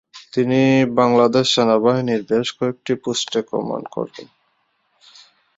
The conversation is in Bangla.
তিনি বাংলাদেশ সেনাবাহিনীর বেশ কয়েকটি পোস্টে কমান্ড করেন।